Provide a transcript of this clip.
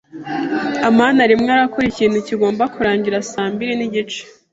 amani arimo akora ikintu kigomba kurangira saa mbiri nigice.